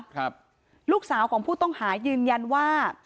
ครับลูกสาวของผู้ต้องหายืนยันว่า